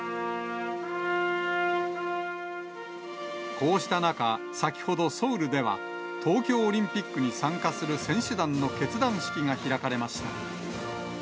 こうした中、先ほど、ソウルでは東京オリンピックに参加する選手団の結団式が開かれま